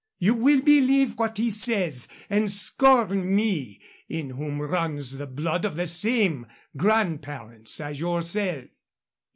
You will believe what he says and scorn me, in whom runs the blood of the same grandparents as yourself.